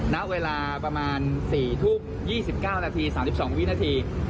ณเวลาประมาณ๔ทุ่ม๒๙นาที๓๒วินาที